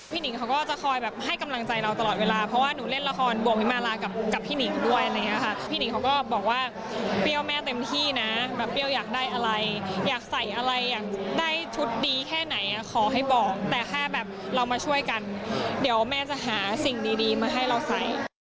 หนิงเขาก็จะคอยแบบให้กำลังใจเราตลอดเวลาเพราะว่าหนูเล่นละครบวกวิมาลากับพี่หนิงด้วยอะไรอย่างเงี้ยค่ะพี่หนิงเขาก็บอกว่าเปรี้ยวแม่เต็มที่นะแบบเปรี้ยวอยากได้อะไรอยากใส่อะไรอยากได้ชุดดีแค่ไหนอ่ะขอให้บอกแต่แค่แบบเรามาช่วยกันเดี๋ยวแม่จะหาสิ่งดีมาให้เราใส่